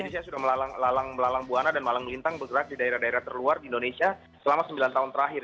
jadi saya sudah melalang buana dan melalang melintang bergerak di daerah daerah terluar di indonesia selama sembilan tahun terakhir